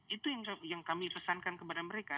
itu yang kami pesankan kepada mereka